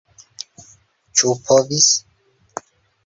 Ĉu povis?